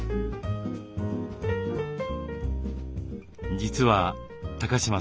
実は高島さん